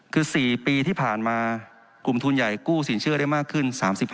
คือ๔ปีที่ผ่านมากลุ่มทุนใหญ่กู้สินเชื่อได้มากขึ้น๓๕